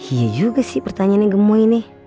iya juga sih pertanyaannya gemoy nih